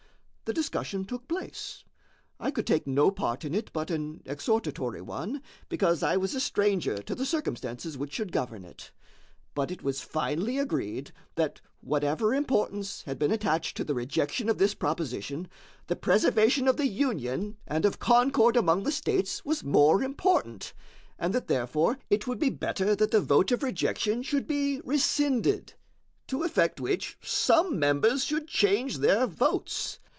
The discussion took place. I could take no part in it but an exhortatory one, because I was a stranger to the circumstances which should govern it. But it was finally agreed, that whatever importance had been attached to the rejection of this proposition, the preservation of the Union and of concord among the states was more important, and that, therefore, it would be better that the vote of rejection should be rescinded, to effect which some members should change their votes.